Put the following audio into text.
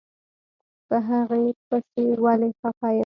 په هغې پسې ولې خپه يم.